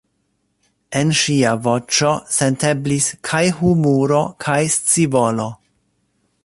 En ŝia voĉo senteblis kaj humuro, kaj scivolo.